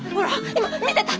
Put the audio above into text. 今見てた！